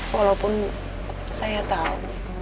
walaupun saya tau